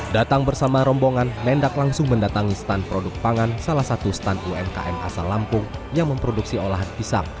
datang bersama rombongan mendak langsung mendatangi stand produk pangan salah satu stand umkm asal lampung yang memproduksi olahan pisang